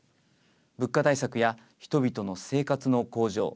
物価対策や人々の生活の向上